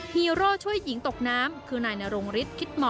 ฮีโร่ช่วยหญิงตกน้ำคือนายนรงฤทธิคิดหมอ